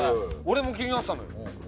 俺も気になってたのよ。